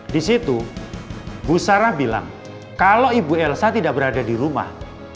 di situ bu sarah bilang kalau ibu elsa tidak berada di rumah